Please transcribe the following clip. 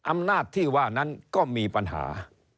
อำนาจที่ว่านั้นก็มีปัญหา